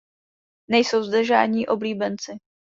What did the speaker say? Nejsou zde žádní oblíbenci.